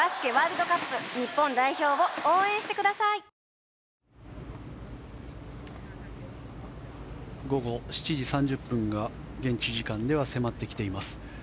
１８番はパー５午後７時３０分が現地時間では迫ってきています。